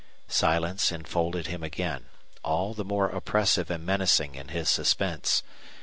Silence enfolded him again, all the more oppressive and menacing in his suspense.